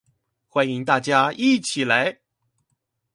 歡迎大家一起來